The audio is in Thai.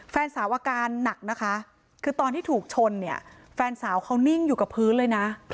แฟนสาวอาการหนักนะคะคือตอนที่ถูกชนเนี่ยแฟนสาวเขานิ่งอยู่กับพื้นเลยนะ